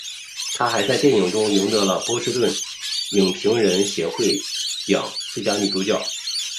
她还在电影中赢得了波士顿影评人协会奖最佳女主角。